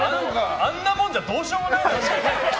あんなもんじゃどうしようもないだろ。